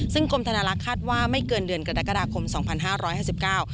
ซึ่งกรมธนาลักษคาดว่าไม่เกินเดือนกรกฎาคมสองพันห้าร้อยห้าสิบเก้า